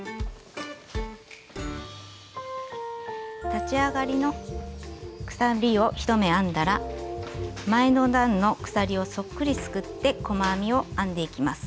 立ち上がりの鎖を１目編んだら前の段の鎖をそっくりすくって細編みを編んでいきます。